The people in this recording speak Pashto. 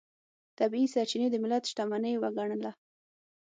طبیعي سرچینې د ملت شتمنۍ وګڼله.